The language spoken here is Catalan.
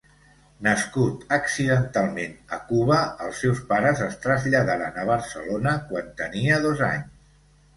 Nascut accidentalment a Cuba, els seus pares es traslladaren a Barcelona quan tenia dos anys.